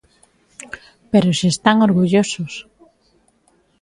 ¡Pero se están orgullosos!